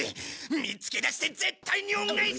見つけ出して絶対に恩返ししてやる！